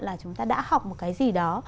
là chúng ta đã học một cái gì đó